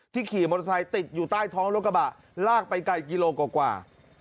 ขี่มอเตอร์ไซค์ติดอยู่ใต้ท้องรถกระบะลากไปไกลกิโลกว่า